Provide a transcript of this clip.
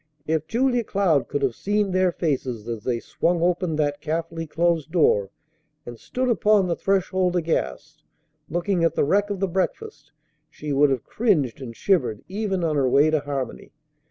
If Julia Cloud could have seen their faces as they swung open that carefully closed door and stood upon the threshold aghast, looking at the wreck of the breakfast, she would have cringed and shivered even on her way to Harmony.